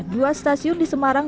dua stasiun di semarang